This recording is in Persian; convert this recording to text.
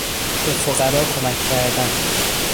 به فقرا کمک کردن